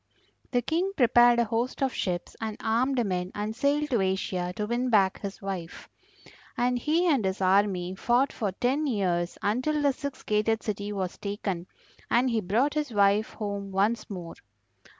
The King prepared a host of ships and armed men and sailed to Asia to win back his wife. And he and his army fought for ten years until the six gated city was taken, and he brought his wife home once more.